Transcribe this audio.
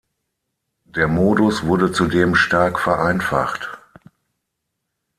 Der Modus wurde zudem stark vereinfacht.